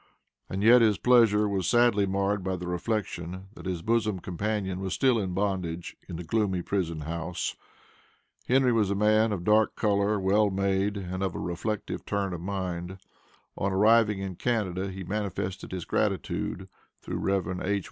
And yet, his pleasure was sadly marred by the reflection that his bosom companion was still in bondage in the gloomy prison house. Henry was a man of dark color, well made, and of a reflective turn of mind. On arriving in Canada, he manifested his gratitude through Rev. H.